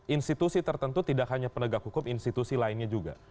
institusi tertentu tidak hanya penegak hukum institusi lainnya juga